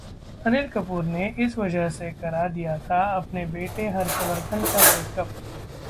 अनिल कपूर ने इस वजह से करा दिया था अपने बेटे हर्षवर्धन का ब्रेकअप